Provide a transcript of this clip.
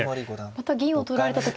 また銀を取られた時に。